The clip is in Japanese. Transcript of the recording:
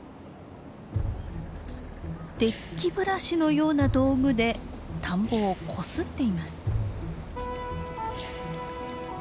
デッキブラシのような道具で田んぼをこすっています。